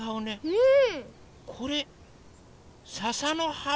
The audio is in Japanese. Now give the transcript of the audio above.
うん！